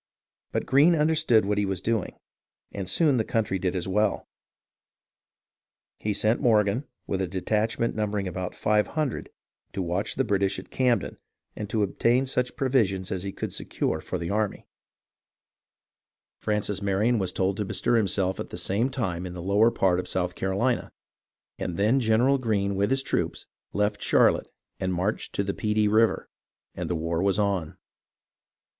But Greene understood what he was doing, and soon the country did as well. He sent Morgan, with a detachment numbering about 500, to watch the British at Camden and to obtain such provisions as he could secure for the GREENE'S WORK IN THE SOUTH 335 army, Francis Marion was told to bestir himself at the same time in the lower part of South Carolina, and then General Greene with his troops left Charlotte and marched to the Pedee River, and the war was on.